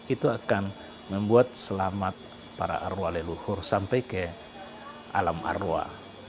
itu akan membuat selamat para arwah leluhur sampai ke alam arwah